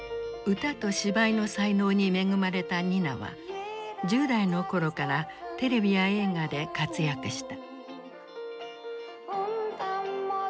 歌と芝居の才能に恵まれたニナは１０代の頃からテレビや映画で活躍した。